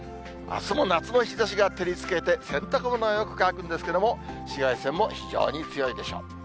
あすも夏の日ざしが照りつけて、洗濯物はよく乾くんですけど、紫外線も非常に強いでしょう。